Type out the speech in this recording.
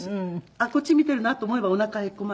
あっこっち見てるなと思えばおなかへこますし。